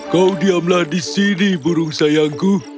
kau diamlah di sini burung sayangku